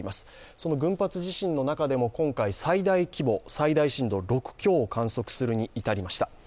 その群発地震の中でも今回最大規模、最大震度６強を観測するに至りました。